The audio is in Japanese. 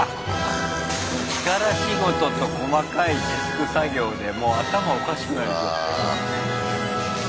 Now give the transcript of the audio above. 力仕事と細かいデスク作業でもう頭おかしくなりそう。